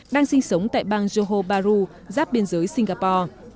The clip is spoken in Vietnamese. đang sinh sống tại bang johor bahru giáp biên giới singapore